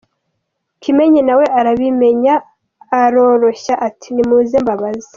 Kimenyi na we arabimenya aroroshya ati “Nimuze mbabaze”.